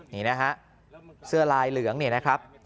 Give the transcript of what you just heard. นี่นะฮะเสื้อลายเหลืองเนี่ยนะครับ